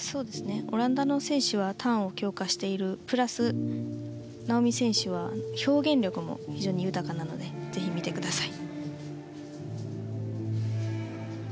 オランダの選手はターンを強化しているプラス、ナオミ選手は表現力も非常に豊かなのでぜひ見てください。